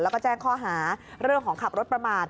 แล้วก็แจ้งข้อหาเรื่องของขับรถประมาท